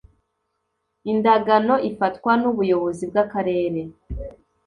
Indagano Ifatwa N Ubuyobozi Bw Akarere